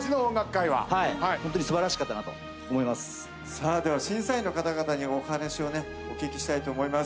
さあでは審査員の方々にもお話をお聞きしたいと思います。